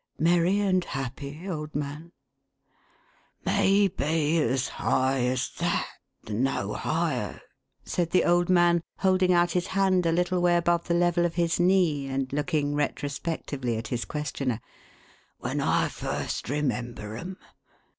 " Merry and happy, old man ?"" May be as high as that, no higher," said the old man, holding out his hand a little way above the level of his knee, and looking retrospectively at his questioner, "when MERRY AND HAPPY. 429 I first remember 'em!